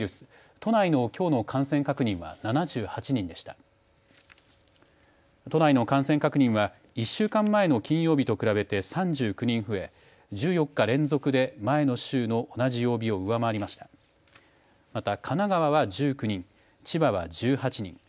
都内の感染確認は１週間前の金曜日と比べて３９人増え１４日連続で、前の週の同じ曜日を上回りました。